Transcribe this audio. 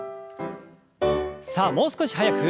さあもう少し速く。